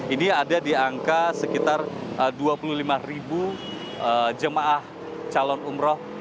ini ada di angka sekitar dua puluh lima ribu jemaah calon umroh